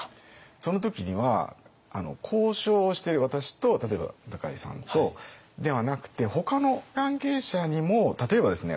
その時には交渉をしてる私と例えば高井さんとではなくてほかの関係者にも例えばですね